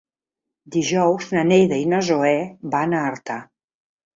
Dijous na Neida i na Zoè van a Artà.